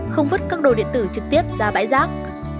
không vứt các đồ điện tử trực tiếp ra bãi rác